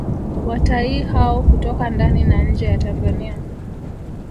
Wataii hao hutoka ndani na nje ya Tanzania